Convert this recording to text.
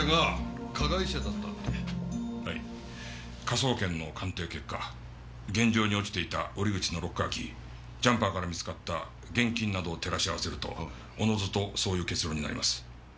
科捜研の鑑定結果現場に落ちていた折口のロッカーキージャンパーから見つかった現金などを照らし合わせるとおのずとそういう結論になります。